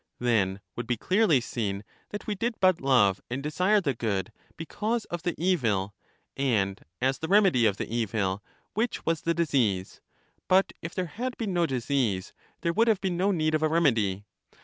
Then would be clearly seen that we did but love and desire the good because of the evil, and as the remedy of the evil, which was the disease ; but if there had been no disease, there would have been no need of a remedy.